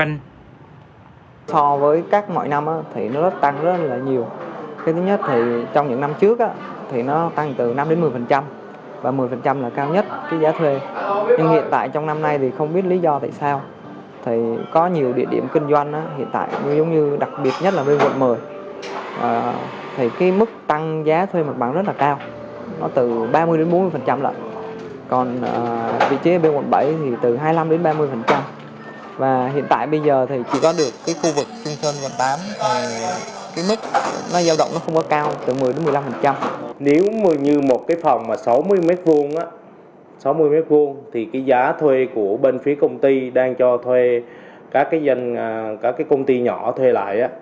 nếu như một cái phòng sáu mươi m hai sáu mươi m hai thì cái giá thuê của bên phía công ty đang cho thuê các cái công ty nhỏ thuê lại